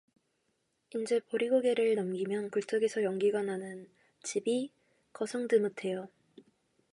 인제 보릿고개를 넘기려면 굴뚝에서 연기가 못 나는 집이 겅성드뭇해요.